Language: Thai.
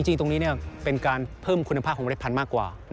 จริงตรงนี้เป็นการเพิ่มคุณภาพของเล็ดพันธุ์มากกว่า